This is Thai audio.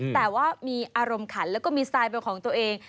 แต่ว่ามีอารมณ์ขันแล้วก็มีสไตล์เป็นของตัวเอง